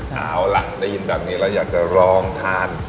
เอาล่ะได้ยินแบบนี้แล้วอยากจะลองทาน